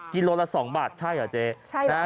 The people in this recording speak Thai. กิโลละ๒บาทใช่เหรอเจ๊นะฮะ